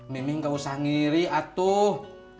miming gak usah ngiri atuh